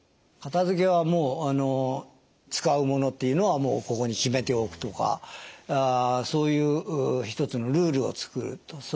片付けはもう使うものっていうのはここに決めておくとかそういう一つのルールを作ると。